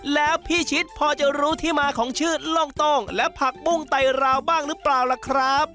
แล้วพี่ชิดพอจะรู้ที่มาของชื่อล่องโต้งและผักปุ้งไตรราวบ้างหรือเปล่าล่ะครับ